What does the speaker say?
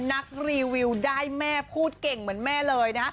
รีวิวได้แม่พูดเก่งเหมือนแม่เลยนะฮะ